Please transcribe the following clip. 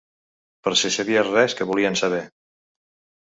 Per si sabies res que volien saber.